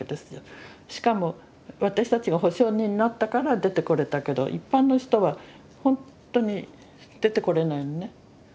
しかも私たちが保証人になったから出てこれたけど一般の人はほんとに出てこれないのね。